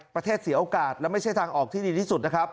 ประเทศเสียโอกาสและไม่ใช่ทางออกที่ดีที่สุดนะครับ